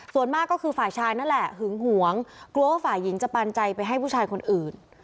ส่วนมากก็คือฝ่ายชายนั่นแหละหึงหวงกลัวว่าฝ่ายหญิงจะปันใจไปให้ผู้ชายคนอื่น